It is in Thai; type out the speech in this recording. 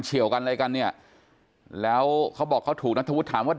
ี่ยวกันอะไรกันเนี่ยแล้วเขาบอกเขาถูกนัทธวุฒิถามว่า